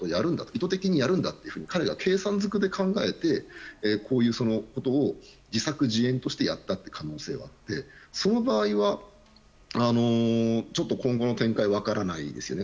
意図的にやるんだと彼が計算ずくで考えてこういうことを自作自演としてやった可能性もあってその場合はちょっと今後の展開分からないですよね。